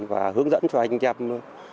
và hướng dẫn cho anh em ở đây cho nó hoàn thiện hơn